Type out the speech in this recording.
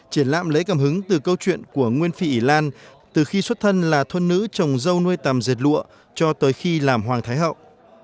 triển lãm lấy cảm hứng từ câu chuyện của nguyên phi ý lan từ khi xuất thân là thôn nữ trồng dâu nuôi tầm dệt lụa cho tới khi làm hoàng thái hậu